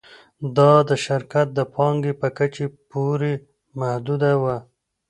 دا د شرکت د پانګې په کچې پورې محدوده وه